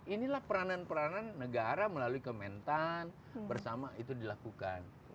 inilah peranan peranan negara melalui kementan bersama itu dilakukan